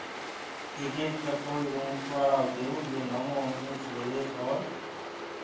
ايڪ ايڪ ٽڪو ايٚرو اُنٚٺوآݪائو ديئو يو ايڪ نوو اُنٚٺ ليوي اور